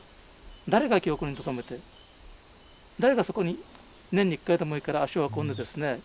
誰が記憶にとどめて誰がそこに年に一回でもいいから足を運んでですね